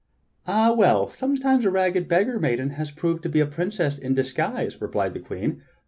"Ah well! sometimes a rag ged beggar maiden has proved to be a princess in disguise," re plied the Queen.